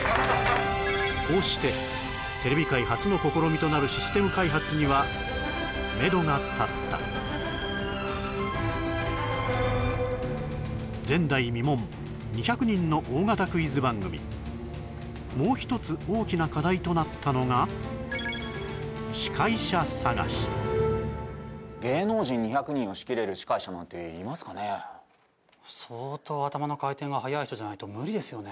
こうしてテレビ界初の試みとなるシステム開発にはめどが立った前代未聞２００人の大型クイズ番組もう一つ大きな課題となったのが芸能人２００人を仕切れる司会者なんていますかね相当頭の回転が速い人じゃないと無理ですよね